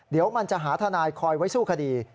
เดี๋ยวมันจะหาทนายคอยไว้สู้คดี